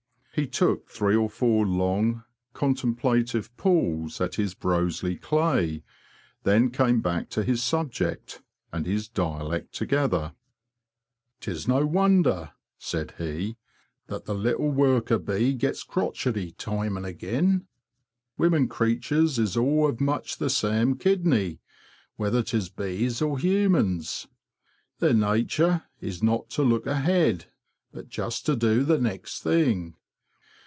He took three or four long, contemplative pulls at his Broseley clay, then came back to his subject and his dialect together. "°?Tis no wonder," said he, ''that the little 192 THE BEE MASTER OF WARRILOW worker bee gets crotchety time an' again. Wimmin creeturs is all of much the same kidney, whether tis bees or humans. Their natur' is not to look ahead, but just to do the next thing.